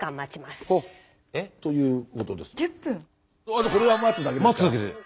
あとこれは待つだけですから。